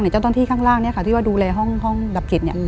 เจ้าต้นที่ข้างล่างที่ดูแลห้องดับกิจ